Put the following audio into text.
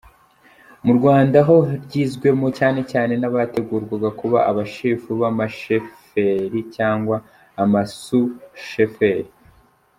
Mu Rwanda ho ryizwemo cyane cyane n’abategurwaga kuba abashefu b’amasheferi cyangwa amasusheferi.